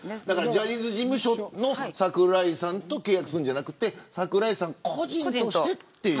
ジャニーズ事務所の櫻井さんと契約するんじゃなくて櫻井さん個人としてっていう。